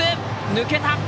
抜けた！